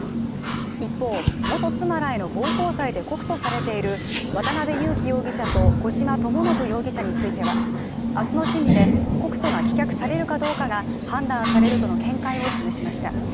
一方元妻への暴行罪で告訴されている渡辺優樹容疑者と小島智信容疑者については明日の審理で告訴が棄却されるかどうかが判断されるとの見解を示しました